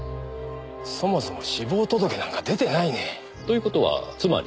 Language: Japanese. そもそも死亡届なんか出てないね。という事はつまり。